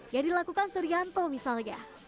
yang dilakukan surianto misalnya